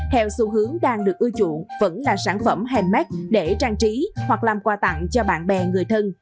theo xu hướng đang được ưu chuộng vẫn là sản phẩm hammed để trang trí hoặc làm quà tặng cho bạn bè người thân